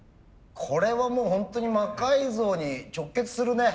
これはもうホントに「魔改造」に直結するね。